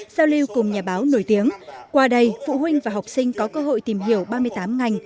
giao lưu cùng nhà báo nổi tiếng qua đây phụ huynh và học sinh có cơ hội tìm hiểu ba mươi tám ngành